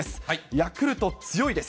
ヤクルト、強いです。